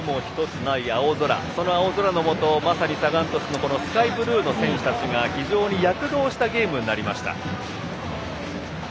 その青空のもとサガン鳥栖のスカイブルーの人たちが非常に躍動したゲームになりました。